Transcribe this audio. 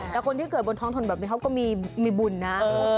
แต่คนที่เกิดบนท้องถนนแบบนี้เขาก็มีบุญนะ